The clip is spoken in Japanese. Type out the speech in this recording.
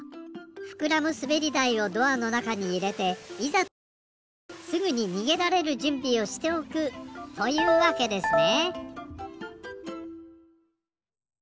ふくらむすべりだいをドアのなかにいれていざというときすぐににげられるじゅんびをしておくというわけですね。